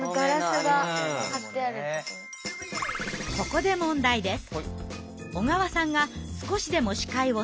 ここで問題です。